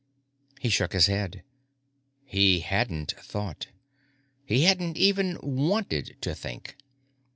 He shook his head. He hadn't thought. He hadn't even wanted to think.